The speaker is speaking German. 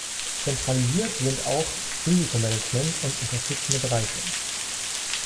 Zentralisiert sind auch Risikomanagement und unterstützende Bereiche.